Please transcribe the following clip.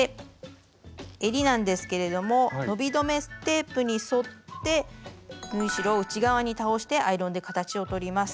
えりなんですけれども伸び止めテープに沿って縫い代を内側に倒してアイロンで形をとります。